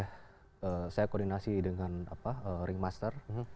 eh saya koordinasi dengan apa eh ringmaster